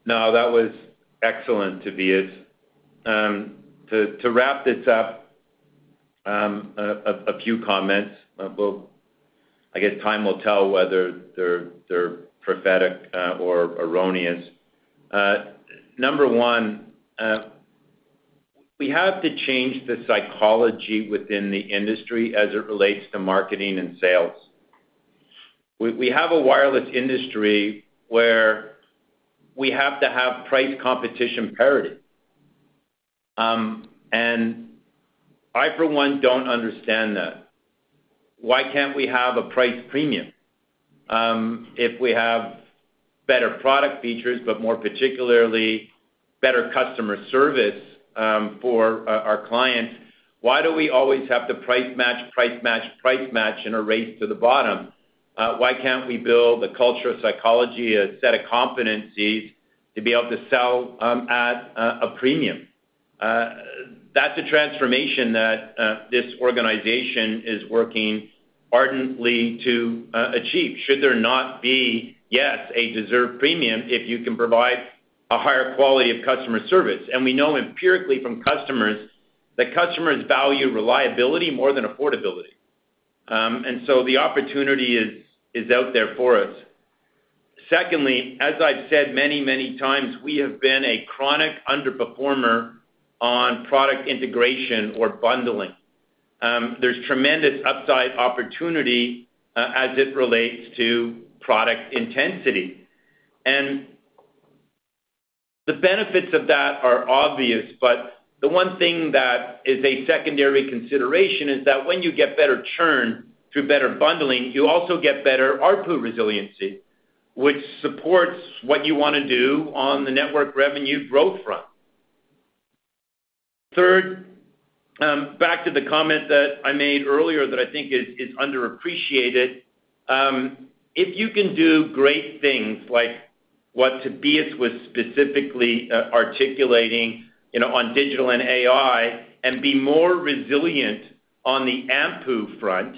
No, that was excellent, to be it. To wrap this up, a few comments. I guess time will tell whether they're prophetic or erroneous. Number one, we have to change the psychology within the industry as it relates to marketing and sales. We have a wireless industry where we have to have price competition parity. And I, for one, don't understand that. Why can't we have a price premium? If we have better product features, but more particularly better customer service for our clients, why do we always have to price match, price match, price match in a race to the bottom? Why can't we build a culture, psychology, a set of competencies to be able to sell at a premium? That's a transformation that this organization is working ardently to achieve. Should there not be, yes, a deserved premium if you can provide a higher quality of customer service? We know empirically from customers that customers value reliability more than affordability. The opportunity is out there for us. Secondly, as I have said many, many times, we have been a chronic underperformer on product integration or bundling. There is tremendous upside opportunity as it relates to product intensity. The benefits of that are obvious, but the one thing that is a secondary consideration is that when you get better churn through better bundling, you also get better ARPU resiliency, which supports what you want to do on the network revenue growth front. Third, back to the comment that I made earlier that I think is underappreciated. If you can do great things like what to be it was specifically articulating on digital and AI and be more resilient on the AMPU front,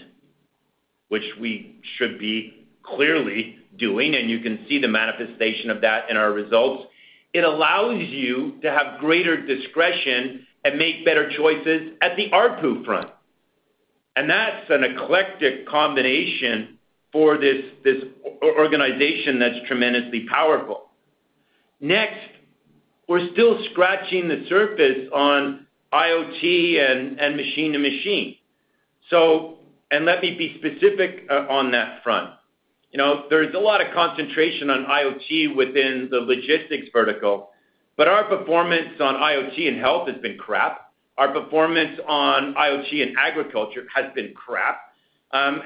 which we should be clearly doing, and you can see the manifestation of that in our results, it allows you to have greater discretion and make better choices at the ARPU front. That is an eclectic combination for this organization that is tremendously powerful. Next, we are still scratching the surface on IoT and machine to machine. Let me be specific on that front. There is a lot of concentration on IoT within the logistics vertical, but our performance on IoT and health has been crap. Our performance on IoT and agriculture has been crap. As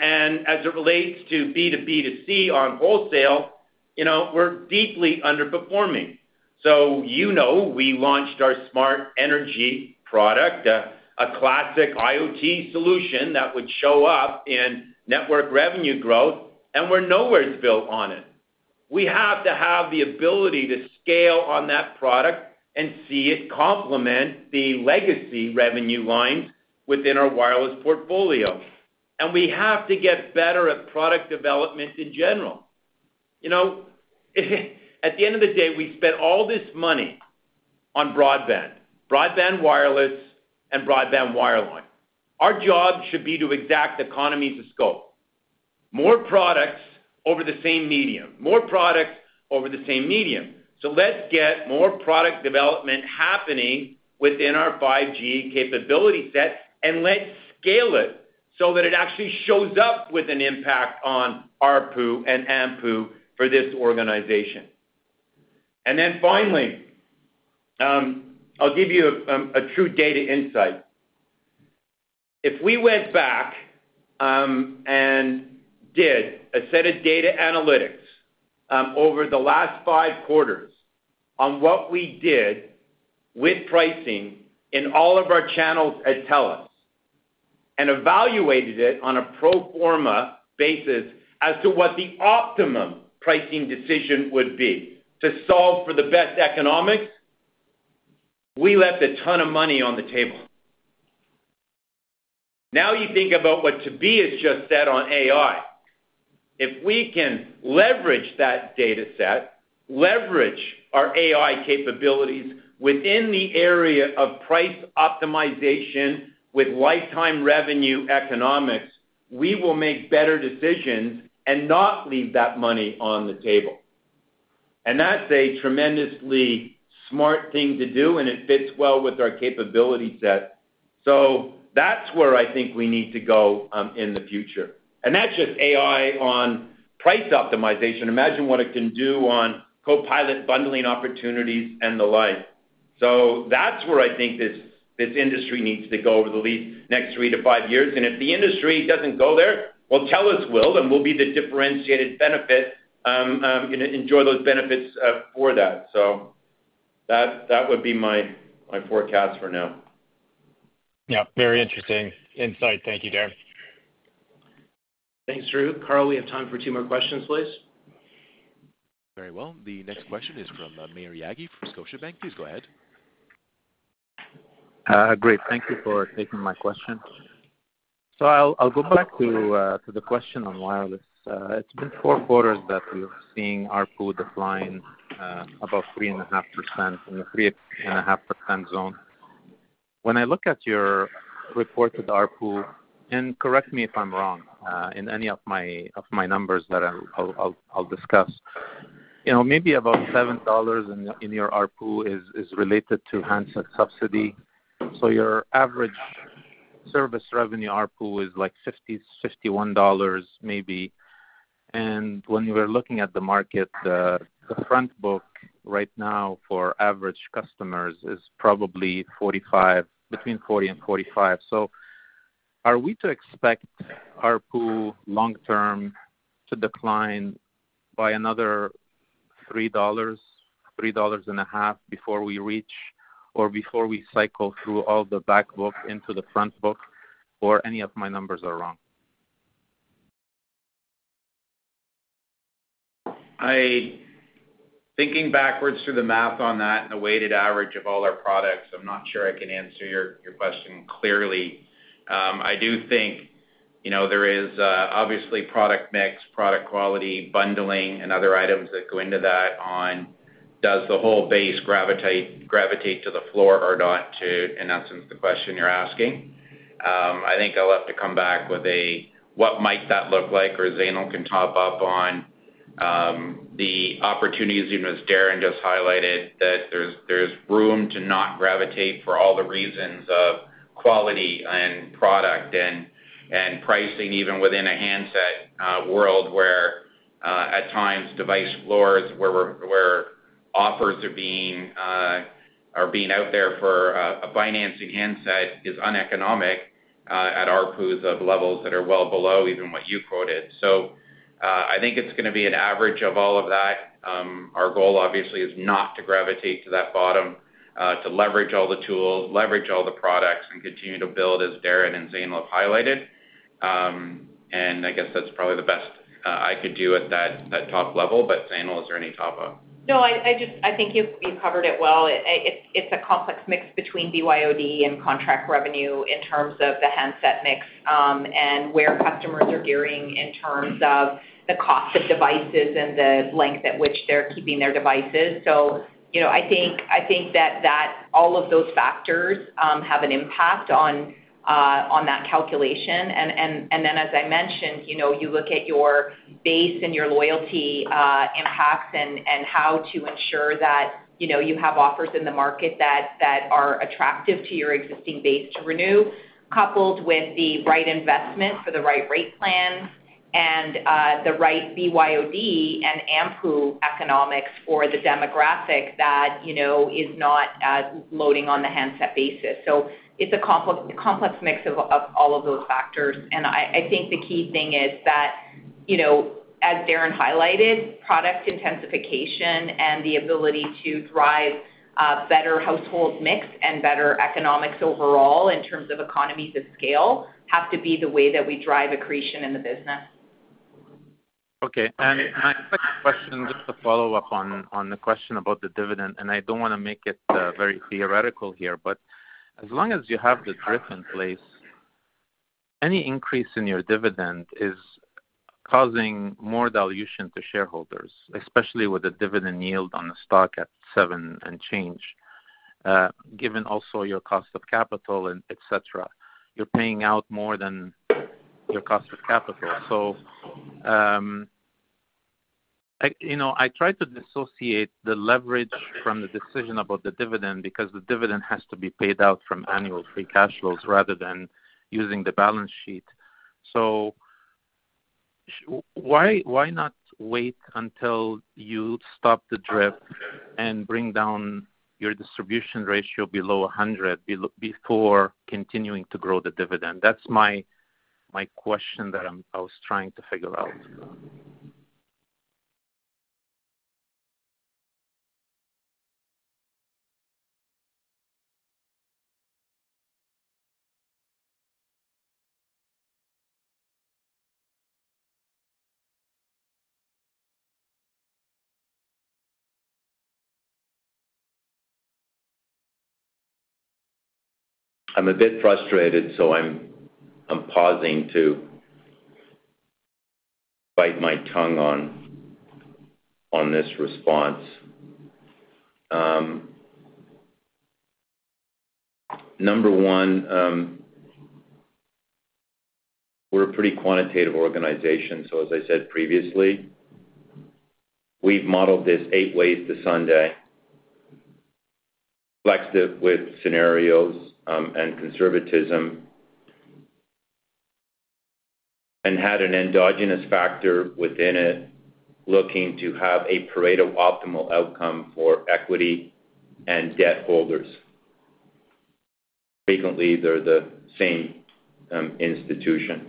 it relates to B2B2C on wholesale, we are deeply underperforming. You know we launched our smart energy product, a classic IoT solution that would show up in network revenue growth, and we're nowhere to build on it. We have to have the ability to scale on that product and see it complement the legacy revenue lines within our wireless portfolio. We have to get better at product development in general. At the end of the day, we spent all this money on broadband, broadband wireless, and broadband wireline. Our job should be to exact economies of scope. More products over the same medium. More products over the same medium. Let's get more product development happening within our 5G capability set and let's scale it so that it actually shows up with an impact on ARPU and AMPU for this organization. Finally, I'll give you a true data insight. If we went back and did a set of data analytics over the last five quarters on what we did with pricing in all of our channels at TELUS and evaluated it on a pro forma basis as to what the optimum pricing decision would be to solve for the best economics, we left a ton of money on the table. Now you think about what Tobias just said on AI. If we can leverage that data set, leverage our AI capabilities within the area of price optimization with lifetime revenue economics, we will make better decisions and not leave that money on the table. That is a tremendously smart thing to do, and it fits well with our capability set. That is where I think we need to go in the future. That is just AI on price optimization. Imagine what it can do on copilot bundling opportunities and the like. That is where I think this industry needs to go over the next three to five years. If the industry does not go there, TELUS will, and we will be the differentiated benefit and enjoy those benefits for that. That would be my forecast for now. Yeah, very interesting insight. Thank you, Darren. Thanks, Drew. Carl, we have time for two more questions, please. Very well. The next question is from Mary Ann Aguilar from Scotiabank. Please go ahead. Great. Thank you for taking my question. I'll go back to the question on wireless. It's been four quarters that we're seeing ARPU decline about 3.5% in the 3.5% zone. When I look at your reported ARPU, and correct me if I'm wrong in any of my numbers that I'll discuss, maybe about $7 in your ARPU is related to handset subsidy. Your average service revenue ARPU is like $50, $51 maybe. When we were looking at the market, the front book right now for average customers is probably between 40 and 45. Are we to expect ARPU long-term to decline by another $3, $3.5 before we reach or before we cycle through all the back book into the front book? Or any of my numbers are wrong? Thinking backwards through the math on that and the weighted average of all our products, I'm not sure I can answer your question clearly. I do think there is obviously product mix, product quality, bundling, and other items that go into that on does the whole base gravitate to the floor or not, in essence, the question you're asking. I think I'll have to come back with a, what might that look like? Or Zainul can top up on the opportunities as Darren just highlighted that there's room to not gravitate for all the reasons of quality and product and pricing, even within a handset world where at times device floors where offers are being out there for a financing handset is uneconomic at ARPUs of levels that are well below even what you quoted. I think it's going to be an average of all of that. Our goal, obviously, is not to gravitate to that bottom, to leverage all the tools, leverage all the products, and continue to build as Darren and Zainul have highlighted. I guess that's probably the best I could do at that top level. Zainul, is there any top up? No, I think you covered it well. It's a complex mix between BYOD and contract revenue in terms of the handset mix and where customers are gearing in terms of the cost of devices and the length at which they're keeping their devices. I think that all of those factors have an impact on that calculation. Then, as I mentioned, you look at your base and your loyalty impacts and how to ensure that you have offers in the market that are attractive to your existing base to renew, coupled with the right investment for the right rate plan and the right BYOD and AMPU economics for the demographic that is not loading on the handset basis. It's a complex mix of all of those factors. I think the key thing is that, as Darren highlighted, product intensification and the ability to drive better household mix and better economics overall in terms of economies of scale have to be the way that we drive accretion in the business. Okay. My question, just to follow up on the question about the dividend, and I do not want to make it very theoretical here, but as long as you have the DRIP in place, any increase in your dividend is causing more dilution to shareholders, especially with a dividend yield on the stock at 7% and change. Given also your cost of capital, etc., you are paying out more than your cost of capital. I try to dissociate the leverage from the decision about the dividend because the dividend has to be paid out from annual free cash flows rather than using the balance sheet. Why not wait until you stop the DRIP and bring down your distribution ratio below 100% before continuing to grow the dividend? That is my question that I was trying to figure out. I'm a bit frustrated, so I'm pausing to bite my tongue on this response. Number one, we're a pretty quantitative organization. As I said previously, we've modeled this eight ways to Sunday, flexed it with scenarios and conservatism, and had an endogenous factor within it looking to have a pareto optimal outcome for equity and debt holders. Frequently, they're the same institution.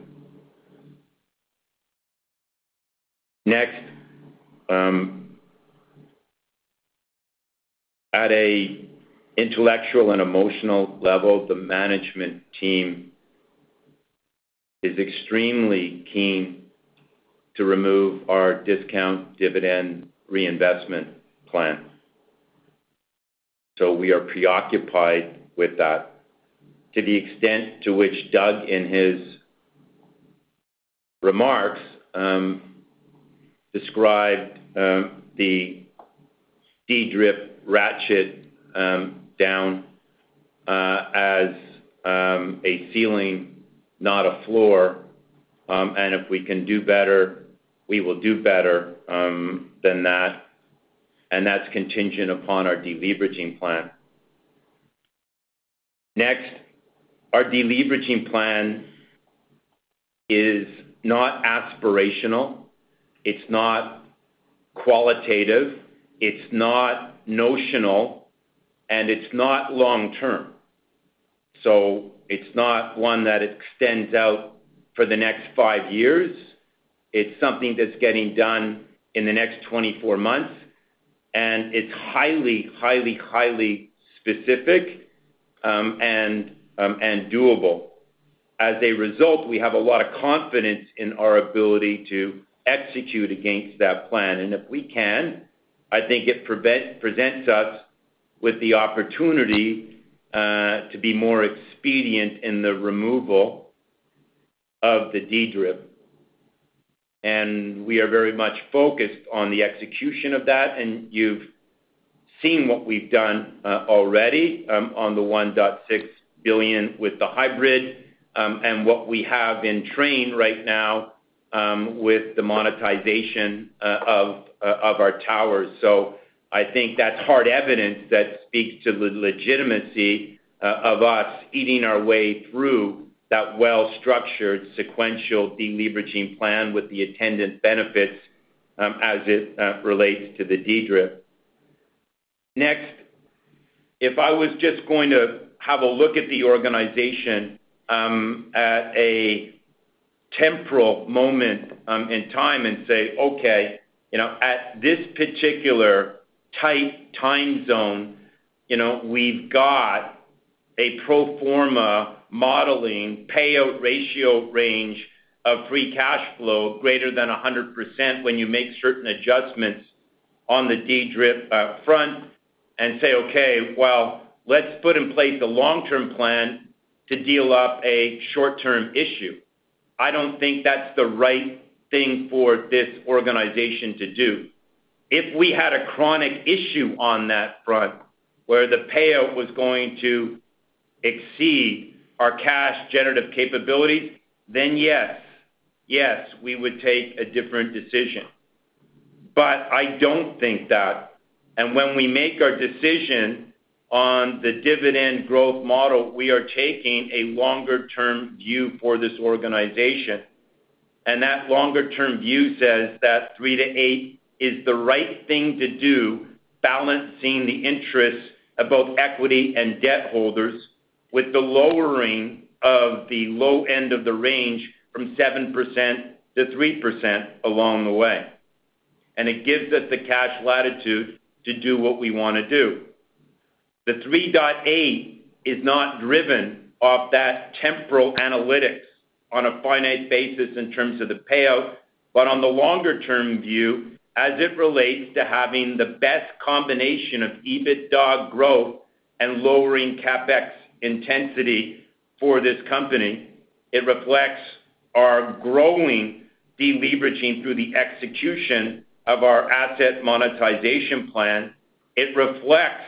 Next, at an intellectual and emotional level, the management team is extremely keen to remove our discount dividend reinvestment plan. We are preoccupied with that to the extent to which Doug, in his remarks, described the DDRIP ratchet down as a ceiling, not a floor. If we can do better, we will do better than that. That's contingent upon our deleveraging plan. Next, our deleveraging plan is not aspirational. It's not qualitative. It's not notional. It's not long-term. It is not one that extends out for the next five years. It is something that is getting done in the next 24 months. It is highly, highly, highly specific and doable. As a result, we have a lot of confidence in our ability to execute against that plan. If we can, I think it presents us with the opportunity to be more expedient in the removal of the DDRIP. We are very much focused on the execution of that. You have seen what we have done already on the 1.6 billion with the hybrid and what we have in train right now with the monetization of our towers. I think that is hard evidence that speaks to the legitimacy of us eating our way through that well-structured sequential deleveraging plan with the attendant benefits as it relates to the DDRIP. Next, if I was just going to have a look at the organization at a temporal moment in time and say, "Okay, at this particular tight time zone, we've got a pro forma modeling payout ratio range of free cash flow greater than 100% when you make certain adjustments on the DDRIP front," and say, "Okay, well, let's put in place a long-term plan to deal up a short-term issue." I do not think that's the right thing for this organization to do. If we had a chronic issue on that front where the payout was going to exceed our cash generative capabilities, then yes, we would take a different decision. I do not think that. When we make our decision on the dividend growth model, we are taking a longer-term view for this organization. That longer-term view says that 3-8 is the right thing to do, balancing the interests of both equity and debt holders with the lowering of the low end of the range from 7% to 3% along the way. It gives us the cash latitude to do what we want to do. The 3-8 is not driven off that temporal analytics on a finite basis in terms of the payout, but on the longer-term view, as it relates to having the best combination of EBITDA growth and lowering CapEx intensity for this company. It reflects our growing deleveraging through the execution of our asset monetization plan. It reflects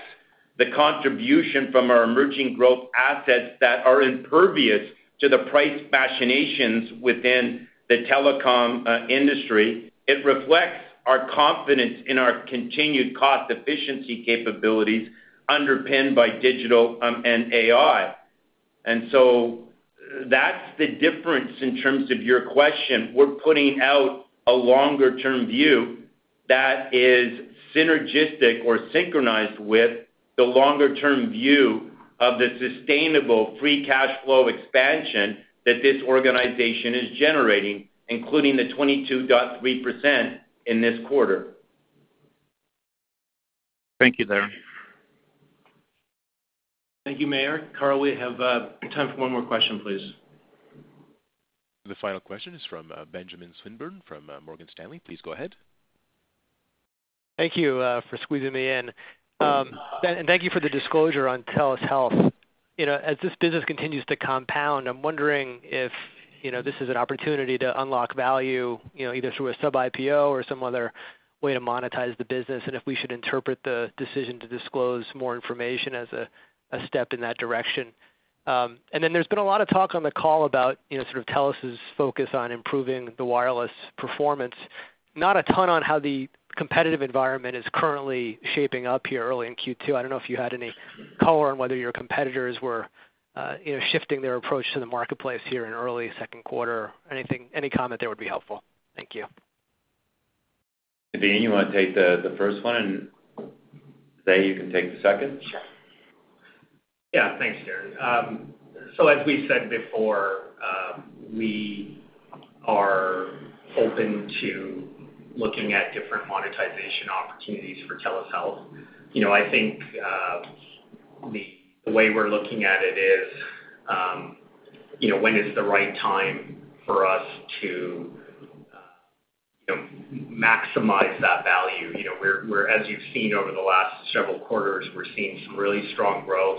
the contribution from our emerging growth assets that are impervious to the price machinations within the telecom industry. It reflects our confidence in our continued cost efficiency capabilities underpinned by digital and AI. That is the difference in terms of your question. We are putting out a longer-term view that is synergistic or synchronized with the longer-term view of the sustainable free cash flow expansion that this organization is generating, including the 22.3% in this quarter. Thank you, Darren. Thank you, Mayor. Carl, we have time for one more question, please. The final question is from Benjamin Swinburne from Morgan Stanley. Please go ahead. Thank you for squeezing me in. Thank you for the disclosure on TELUS Health. As this business continues to compound, I'm wondering if this is an opportunity to unlock value either through a sub-IPO or some other way to monetize the business, and if we should interpret the decision to disclose more information as a step in that direction. There has been a lot of talk on the call about sort of TELUS's focus on improving the wireless performance, not a ton on how the competitive environment is currently shaping up here early in Q2. I don't know if you had any color on whether your competitors were shifting their approach to the marketplace here in early second quarter. Any comment there would be helpful. Thank you. Danny, you want to take the first one and say you can take the second? Sure. Yeah. Thanks, Darren. As we said before, we are open to looking at different monetization opportunities for TELUS Health. I think the way we're looking at it is, when is the right time for us to maximize that value? As you've seen over the last several quarters, we're seeing some really strong growth.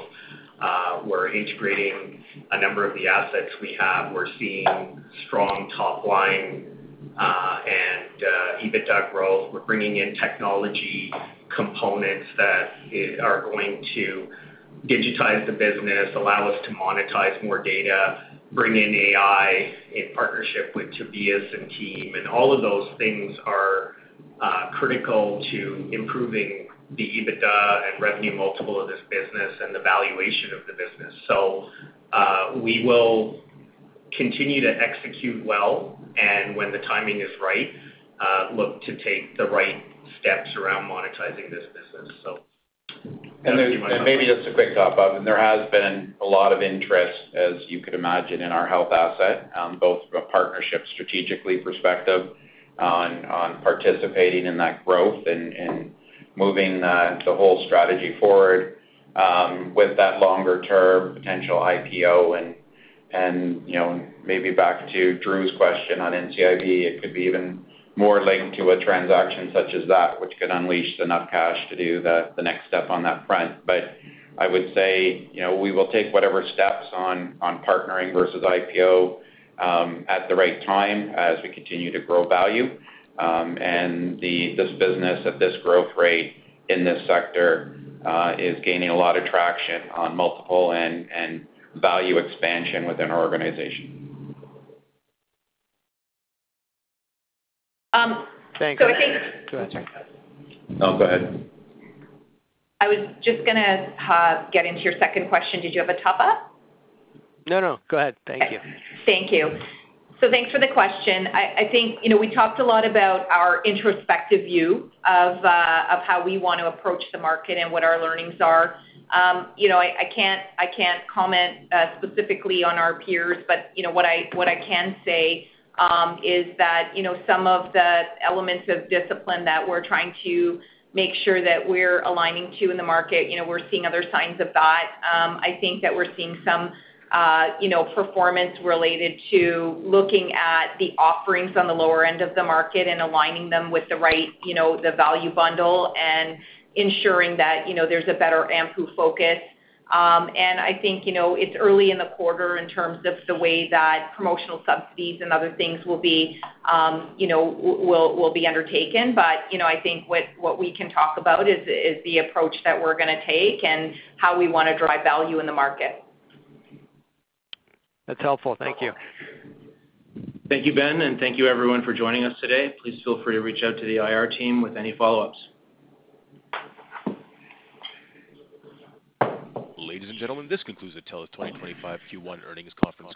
We're integrating a number of the assets we have. We're seeing strong top-line and EBITDA growth. We're bringing in technology components that are going to digitize the business, allow us to monetize more data, bring in AI in partnership with Tobias and team. All of those things are critical to improving the EBITDA and revenue multiple of this business and the valuation of the business. We will continue to execute well. When the timing is right, look to take the right steps around monetizing this business. Maybe just a quick top up. There has been a lot of interest, as you could imagine, in our health asset, both from a partnership strategically perspective on participating in that growth and moving the whole strategy forward with that longer-term potential IPO. Maybe back to Drew's question on NCIB, it could be even more linked to a transaction such as that, which can unleash enough cash to do the next step on that front. I would say we will take whatever steps on partnering versus IPO at the right time as we continue to grow value. This business at this growth rate in this sector is gaining a lot of traction on multiple and value expansion within our organization. Thank you. I think. Go ahead. No, go ahead. I was just going to get into your second question. Did you have a top-up? No, no. Go ahead. Thank you. Thank you. Thank you for the question. I think we talked a lot about our introspective view of how we want to approach the market and what our learnings are. I cannot comment specifically on our peers, but what I can say is that some of the elements of discipline that we are trying to make sure that we are aligning to in the market, we are seeing other signs of that. I think that we are seeing some performance related to looking at the offerings on the lower end of the market and aligning them with the right value bundle and ensuring that there is a better AMPU focus. I think it is early in the quarter in terms of the way that promotional subsidies and other things will be undertaken. I think what we can talk about is the approach that we're going to take and how we want to drive value in the market. That's helpful. Thank you. Thank you, Ben. Thank you, everyone, for joining us today. Please feel free to reach out to the IR team with any follow-ups. Ladies and gentlemen, this concludes the TELUS 2025 Q1 earnings conference.